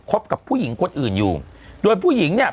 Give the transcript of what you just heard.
กับผู้หญิงคนอื่นอยู่โดยผู้หญิงเนี่ย